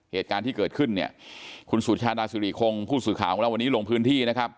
เหตุการณ์ที่เกิดขึ้นคุณสุชาดาศุริคงผู้สุข่าวของเราวันนี้ลงพื้นที่